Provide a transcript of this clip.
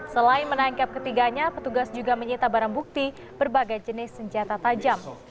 selain menangkap ketiganya petugas juga menyita barang bukti berbagai jenis senjata tajam